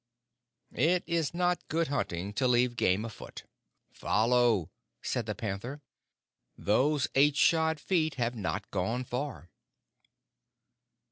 "It is not good hunting to leave game afoot. Follow!" said the panther. "Those eight shod feet have not gone far."